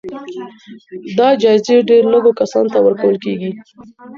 دا جايزې ډېر لږو کسانو ته ورکول کېږي.